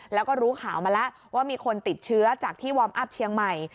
แล้วก็รู้ข่าวมาแล้วว่ามีคนติดเชื้อจากที่วอร์มอัพเชียงใหม่